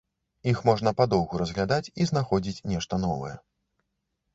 Іх можна падоўгу разглядаць і знаходзіць нешта новае.